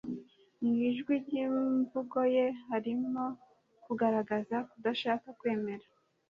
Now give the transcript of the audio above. Mw'ijwi ry'imvugo ye harimo kugaragaza kudashaka kwemera